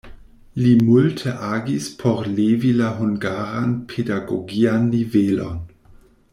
Li multe agis por levi la hungaran pedagogian nivelon.